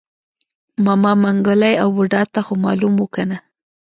ماما منګلی او بوډا ته خومالوم و کنه.